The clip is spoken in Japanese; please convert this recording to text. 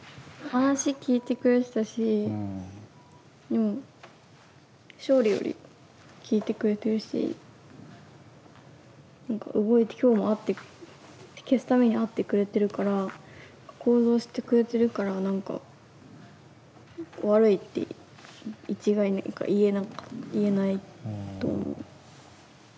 話聞いてくれてたしでも勝利より聞いてくれてるしなんか動いて今日も会って消すために会ってくれてるから行動してくれてるからなんか悪いって一概に言えなかった言えないと思う。